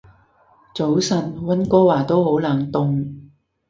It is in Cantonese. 早晨，溫哥華都好冷凍